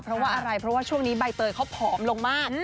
เพราะว่าอะไรเพราะว่าช่วงนี้ใบเตยเขาผอมลงมาก